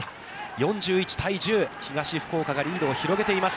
４１対１０、東福岡がリードを広げています。